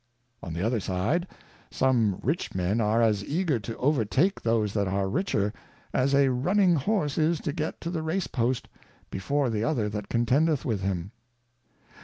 On the other side, some Rich Men are as eager to overtake those that are Richer, as a Running horse is to get to the Race post before the other that contendeth with him.